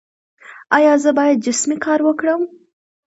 ایا زه باید جسمي کار وکړم؟